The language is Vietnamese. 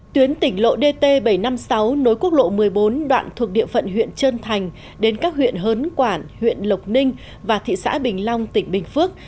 tuyến tỉnh lộ dt bảy trăm năm mươi sáu nối quốc lộ một mươi bốn đoạn thuộc địa phận huyện trơn thành đến các huyện hớn quản huyện lộc ninh và thị xã bình long tỉnh bình phước